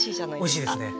おいしいですね。